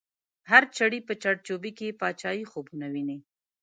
هر چړی په چړ چوبی کی، پاچایی خوبونه وینی